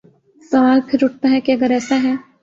سوال پھر اٹھتا ہے کہ اگر ایسا ہے۔